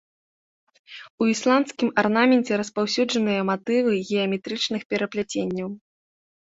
У ісламскім арнаменце распаўсюджаныя матывы геаметрычных перапляценняў.